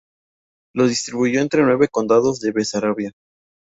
Los distribuyó entre los nueve condados de Besarabia.